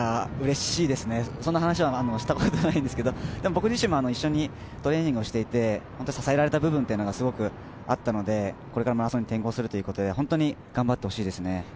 うれしいですね、そんな話はしたことがないんですけど、でも、僕自身も一緒にトレーニングしていて、支えられた部分がすごくあったので、これからマラソンに転向するということで本当に頑張ってほしいですね。